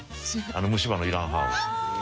虫歯のいらん歯を。